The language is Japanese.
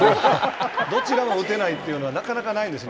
どちらも打てないというのはなかなかないです。